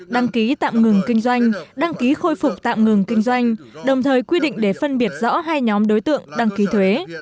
đăng ký tạm ngừng kinh doanh đăng ký khôi phục tạm ngừng kinh doanh đồng thời quy định để phân biệt rõ hai nhóm đối tượng đăng ký thuế